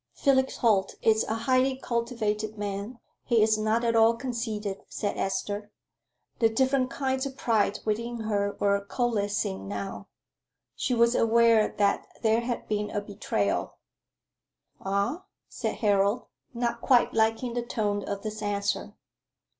"Felix Holt is a highly cultivated man; he is not at all conceited," said Esther. The different kinds of pride within her were coalescing now. She was aware that there had been a betrayal. "Ah?" said Harold, not quite liking the tone of this answer.